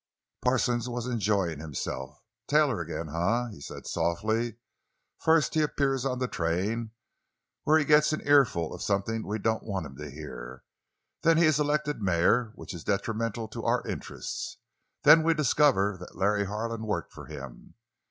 Parsons was enjoying him. "Taylor again, eh?" he said softly. "First, he appears on the train, where he gets an earful of something we don't want him to hear; then he is elected mayor, which is detrimental to our interests; then we discover that Larry Harlan worked for him.